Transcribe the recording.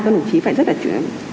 các đồng chí phải rất là chủ trương